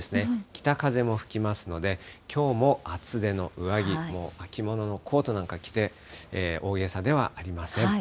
北風も吹きますので、きょうも厚手の上着、もう秋物のコートなんか着て、大げさではありません。